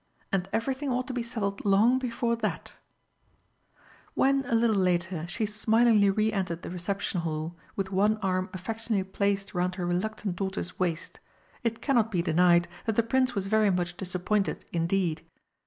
"And everything ought to be settled long before that!" When, a little later, she smilingly re entered the Reception Hall with one arm affectionately placed round her reluctant daughter's waist, it cannot be denied that the Prince was very much disappointed indeed.